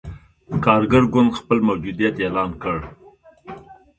کارګر ګوند خپل موجودیت اعلان کړ.